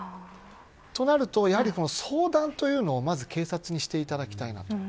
となると相談というのを警察にしていただきたいなと。